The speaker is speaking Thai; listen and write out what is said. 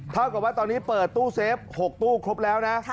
เท่ากับว่าตอนนี้เปิดตู้เซฟ๖ตู้ครบแล้วนะ